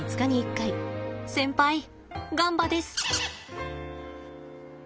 先輩ガンバです！